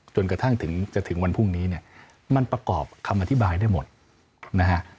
จนกระทั่งถึงจะถึงวันพรุ่งนี้เนี่ยมันประกอบคำอธิบายได้หมดนะฮะ